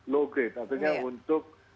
low grade artinya untuk